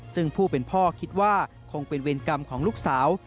ซึ่งผู้เป็นพ่อคิดว่าคงเป็นเวรกรรมของลูกสาว